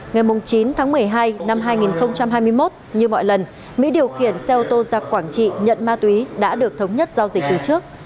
ngày chín tháng một mươi hai năm hai nghìn hai mươi một như mọi lần mỹ điều khiển xe ô tô ra quảng trị nhận ma túy đã được thống nhất giao dịch từ trước